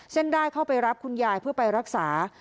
เส้นได้เข้าไปรับคุณยายเพื่อไปรักษา